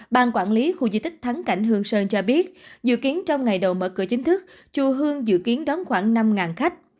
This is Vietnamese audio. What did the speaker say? ban quản lý khu di tích thắng cảnh hương sơn cho biết dự kiến trong ngày đầu mở cửa chính thức chùa hương dự kiến đón khoảng năm khách